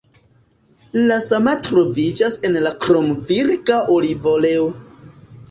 La sama troviĝas en la kromvirga olivoleo.